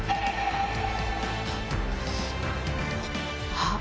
あっ。